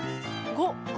５。